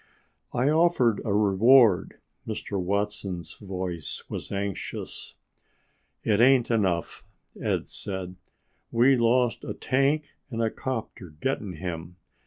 "I offered a reward." Mr. Watson's voice was anxious. "It ain't enough," Ed said. "We lost a tank and a 'copter getting him.